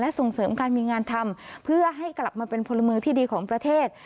ส่งเสริมการมีงานทำเพื่อให้กลับมาเป็นพลเมืองที่ดีของประเทศ